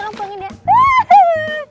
sekarang mau preparasi banget